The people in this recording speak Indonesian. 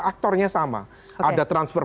aktornya sama ada transfer